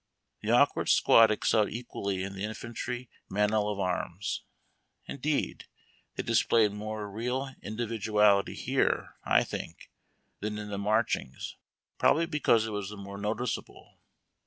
The awkward squad excelled equally in the infantry manual of arms. Indeed, they displayed more real indi viduality here, I think, than in the marchings, probably because it was the more noticeable.